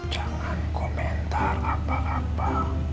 jangan komentar apa apa